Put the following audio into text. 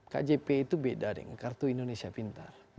kjp itu beda dengan kartu indonesia pintar